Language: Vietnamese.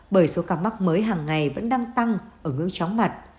bởi số ca mắc mới hàng ngày vẫn đang tăng ở ngưỡng chóng mặt